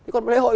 còn lễ hội